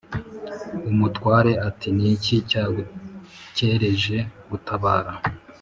umutware ati"niki cyagukereje gutabara"